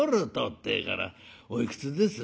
ってえから「おいくつです？」。